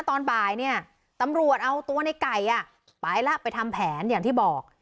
ตอนบ่ายเนี่ยตำรวจเอาตัวในไก่ไปแล้วไปทำแผนอย่างที่บอก